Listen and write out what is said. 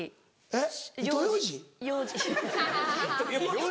えっ？